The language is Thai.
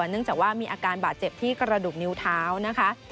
เนื่องจากว่ามีอาการบาดเจ็บที่กระดูกนิ้วเท้านะคะ